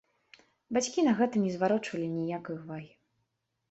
Бацькі на гэта не зварочвалі ніякай увагі.